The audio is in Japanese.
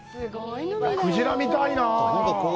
クジラ見たいなあ。